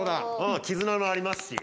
絆もありますし。